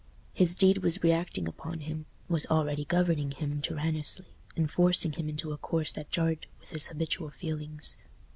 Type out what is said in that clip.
His deed was reacting upon him—was already governing him tyrannously and forcing him into a course that jarred with his habitual feelings.